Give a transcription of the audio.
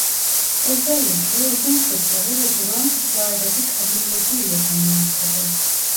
Özellikle uzun şutları ve duran toplardaki kabiliyeti ile tanınmaktadır.